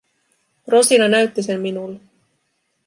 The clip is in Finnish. Rosina näytti sen minulle.